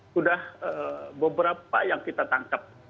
sudah beberapa yang kita tangkap